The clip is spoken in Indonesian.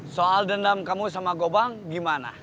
soal dendam kamu sama gobang gimana